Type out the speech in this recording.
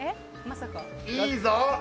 いいぞ！